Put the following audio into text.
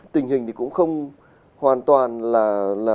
tình hình thì cũng không hoàn toàn là